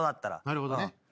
なるほどね。